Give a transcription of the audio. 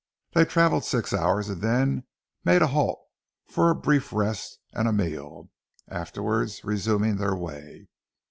They travelled six hours and then made a halt for a brief rest and a meal, afterwards resuming their way.